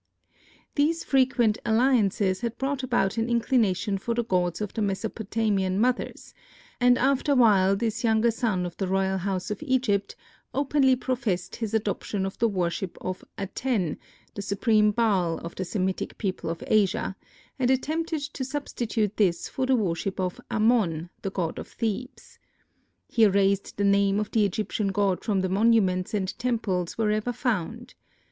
These frequent alliances had brought about an inclination for the gods of the Mesopotamian mothers, and after while this younger son of the royal house of Egypt, openly professed his adoption of the worship of Aten, the supreme Baal of the Semitic people of Asia, and attempted to substitute this for the worship of Amon, the god of Thebes. He erased the name of the Egyptian god from the monuments and temples wherever found.